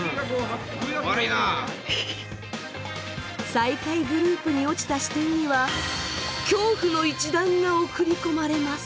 最下位グループに落ちた支店には恐怖の一団が送り込まれます。